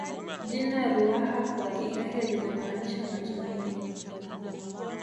Jina Ruaha kwa Kihehe linamaanisha maji mengi